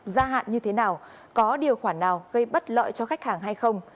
gia hạn như thế nào có điều khoản nào gây bất lợi cho khách hàng hay không